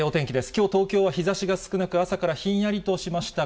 きょう、東京は日ざしが少なく、朝からひんやりとしました。